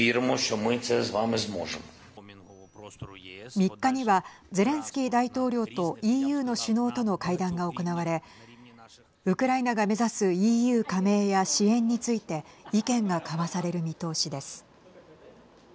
３日にはゼレンスキー大統領とＥＵの首脳との会談が行われウクライナが目指すＥＵ加盟や支援について意見が交わされる見通しです。